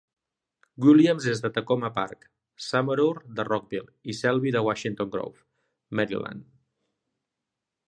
Williams és de Takoma Park, Summerour de Rockville i Selby de Washington Grove, Maryland.